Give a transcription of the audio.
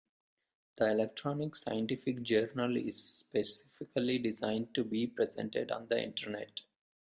The electronic scientific journal is specifically designed to be presented on the internet.